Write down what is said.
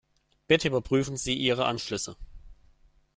Bitte überprüfen Sie Ihre Anschlüsse.